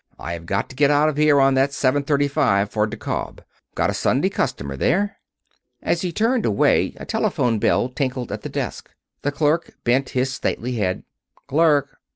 I've got to get out of here on that 7:35 for DeKalb. Got a Sunday customer there." As he turned away a telephone bell tinkled at the desk. The clerk bent his stately head. "Clerk.